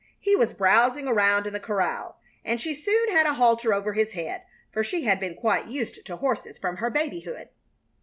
He was browsing around in the corral, and she soon had a halter over his head, for she had been quite used to horses from her babyhood.